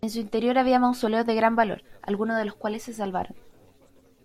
En su interior había mausoleos de gran valor, algunos de los cuales se salvaron.